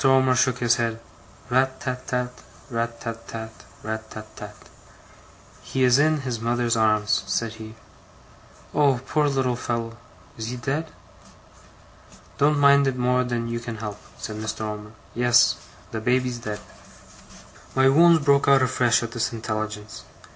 Omer shook his head. 'RAT tat tat, RAT tat tat, RAT tat tat.' 'He is in his mother's arms,' said he. 'Oh, poor little fellow! Is he dead?' 'Don't mind it more than you can help,' said Mr. Omer. 'Yes. The baby's dead.' My wounds broke out afresh at this intelligence.